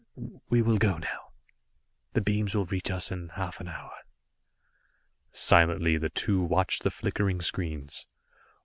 We will go now. The beams will reach us in half an hour." Silently, the two watched the flickering screens.